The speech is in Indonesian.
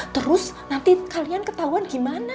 terus nanti kalian ketahuan gimana